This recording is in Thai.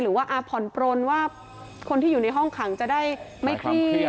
ว่าผ่อนปลนว่าคนที่อยู่ในห้องขังจะได้ไม่เครียด